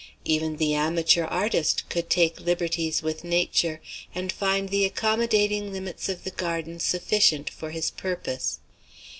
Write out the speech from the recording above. Even the amateur artist could take liberties with Nature, and find the accommodating limits of the garden sufficient for his purpose.